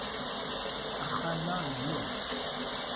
Axxam-a inu.